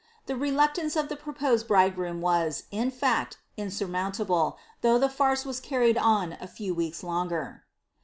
The reluctance of the proposed bridegroom was, in fret, insurmountable, though the farce was carried on a few weeks longer.